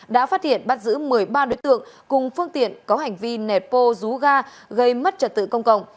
đã phát hiện bắt giữ một mươi ba đối tượng cùng phương tiện có hành vi nẹt bô rú ga gây mất trật tự công cộng